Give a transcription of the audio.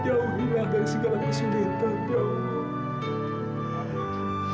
jauhilah dari segala kesulitan allah